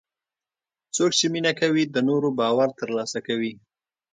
څوک چې مینه کوي، د نورو باور ترلاسه کوي.